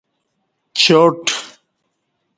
چاٹ